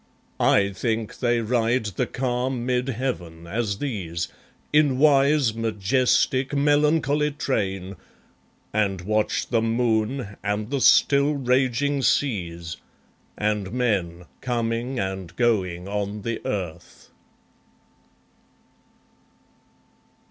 I think they ride the calm mid heaven, as these, In wise majestic melancholy train, And watch the moon, and the still raging seas, And men, coming and going on the earth.